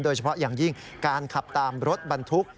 โดยเฉพาะอย่างยิ่งการขับตามรถบรรทุก